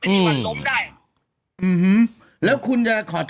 คือเอาง่ายริ้วปูไม่มีวันลงได้ไม่มีวันล้มได้